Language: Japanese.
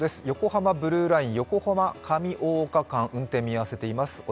横浜ブルーライン、横浜−上大岡間、運転見あわせています。